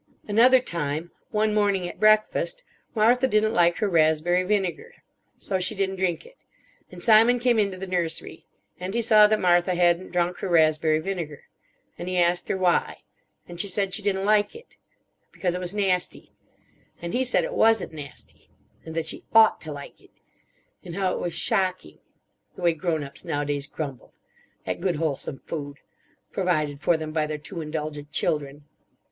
"Another time. One morning at breakfast. Martha didn't like her raspberry vinegar. So she didn't drink it. And Simon came into the nursery. And he saw that Martha hadn't drunk her raspberry vinegar. And he asked her why. And she said she didn't like it. Because it was nasty. And he said it wasn't nasty. And that she ought to like it. And how it was shocking. The way grown ups nowadays grumbled. At good wholesome food. Provided for them by their too indulgent children.